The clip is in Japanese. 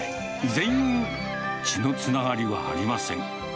全員、血のつながりはありません。